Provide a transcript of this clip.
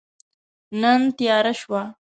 نن تیاره شوه